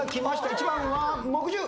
１番は木１０！